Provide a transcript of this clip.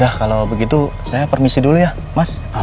ya kalau begitu saya permisi dulu ya mas